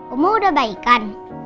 oma udah baik kan